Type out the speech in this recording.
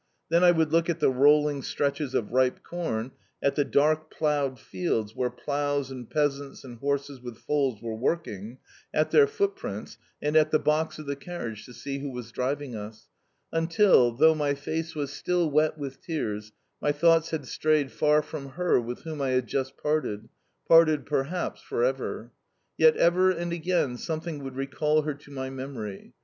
Then I would look at the rolling stretches of ripe corn, at the dark ploughed fields where ploughs and peasants and horses with foals were working, at their footprints, and at the box of the carriage to see who was driving us; until, though my face was still wet with tears, my thoughts had strayed far from her with whom I had just parted parted, perhaps, for ever. Yet ever and again something would recall her to my memory.